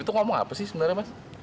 itu ngomong apa sih sebenarnya mas